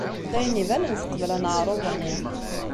D ayen ibanen teqbel aneɛṛuḍ-nni.